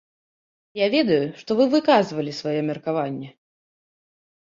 Я ведаю, што вы выказвалі сваё меркаванне.